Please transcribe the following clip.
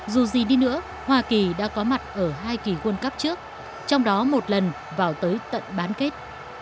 dù gì đi nữa hoa kỳ đã có mặt ở hai kỳ quân cấp trước trong đó một lần vào tới tận bán kết